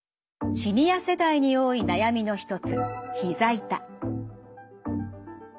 シニア世代に多い悩みの一つ